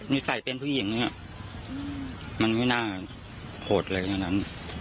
นิสัยเป็นผู้หญิงนั้นมันไม่น่าโหดเลยงั่นนั้น